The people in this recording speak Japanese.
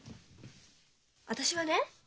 私はね